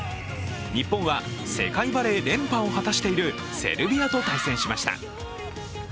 日本は世界バレー連覇を果たしているセルビアと対戦しました。